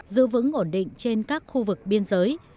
giữ vững ổn định trên các khu vực biên giới